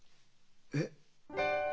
えっ？